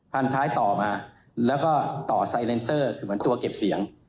ท้ายต่อมาแล้วก็ต่อไซเลนเซอร์คือเหมือนตัวเก็บเสียง